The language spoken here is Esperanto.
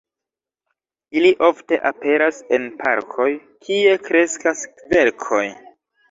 Ili ofte aperas en parkoj, kie kreskas kverkoj.